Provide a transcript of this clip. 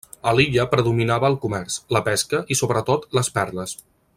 A l'illa predominava el comerç, la pesca i sobretot les perles.